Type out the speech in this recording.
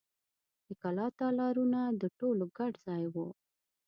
د کلا تالارونه د ټولو ګډ ځای و.